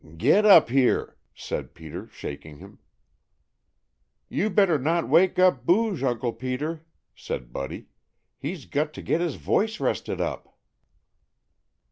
"Get up, here!" said Peter, shaking him. "You better not wake up Booge, Uncle Peter," said Buddy, "he's got to get his voice rested up."